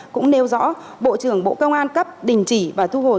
cũng nêu rõ bộ trưởng bộ công an cấp đình chỉ và thu hồi